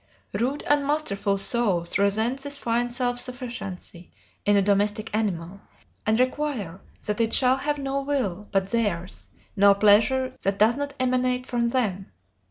"Rude and masterful souls resent this fine self sufficiency in a domestic animal, and require that it shall have no will but theirs, no pleasure that does not emanate from them.